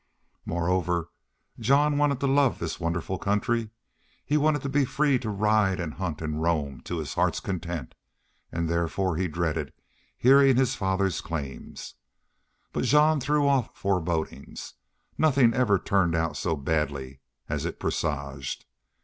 Moreover, Jean wanted to love this wonderful country. He wanted to be free to ride and hunt and roam to his heart's content; and therefore he dreaded hearing his father's claims. But Jean threw off forebodings. Nothing ever turned out so badly as it presaged.